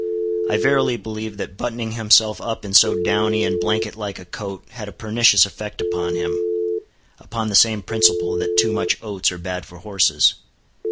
I verily believe that buttoning himself up in so downy and blanket like a coat had a pernicious effect upon him; upon the same principle that too much oats are bad for horses.